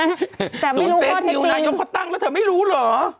แต่ไม่รู้ว่าเทปมีศูนย์เต้นอยู่ไหนยังเขาตั้งแล้วเธอไม่รู้เหรอ